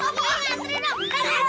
aduh enak banget